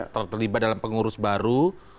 tertelibat dalam pengurus baru